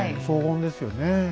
そうですね。